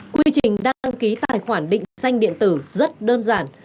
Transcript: quy trình đăng ký tài khoản định danh điện tử rất đơn giản